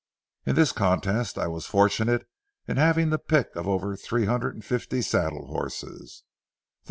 In this contest I was fortunate in having the pick of over three hundred and fifty saddle horses.